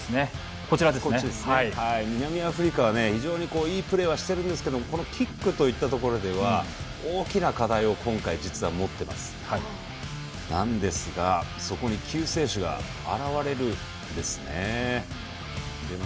南アフリカは非常にいいプレーをしているんですがキックといったところで大きな課題を今回実は持っていますがそこに救世主が現れるんですね。